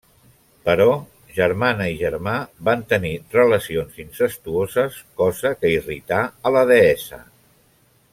Però germana i germà van tenir relacions incestuoses, cosa que irrità a la deessa.